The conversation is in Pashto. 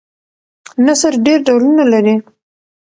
نثر ډېر ډولونه لري.